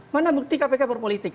mana bukti kpk berpolitik